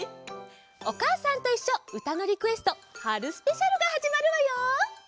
「おかあさんといっしょうたのリクエスト春スペシャル」がはじまるわよ！